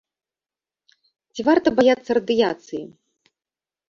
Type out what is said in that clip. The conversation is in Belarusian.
Ці варта баяцца радыяцыі?